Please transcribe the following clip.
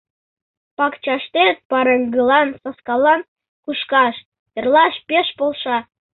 Пакчаштет пареҥгылан, саскалан кушкаш, тырлаш пеш полша.